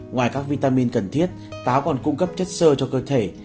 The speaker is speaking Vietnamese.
ngoài các vitamin cần thiết táo còn cung cấp chất sơ cho cơ thể